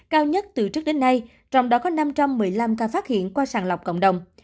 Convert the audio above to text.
cao nhất từ trước đến nay trong đó có năm trăm một mươi năm ca phát hiện qua sàng lọc cộng đồng